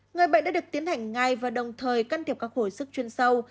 người bệnh đã được tiến hành ngay và đồng thời can thiệp các hồi sức chuyên sâu